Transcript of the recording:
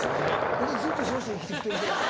俺ずっとそうして生きてきてるけど。